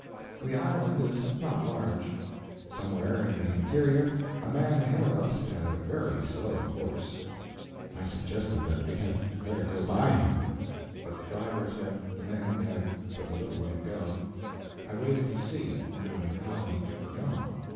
The island is not large. Somewhere in the interior a man ahead of us had a very slow horse. I suggested that we had better go by him; but the driver said the man had but a little way to go. I waited to see, wondering how he could know.